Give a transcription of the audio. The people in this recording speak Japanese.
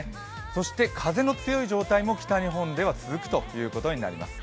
そして風の強い状態も北日本では続くことになります。